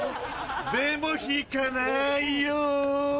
でも弾かないよ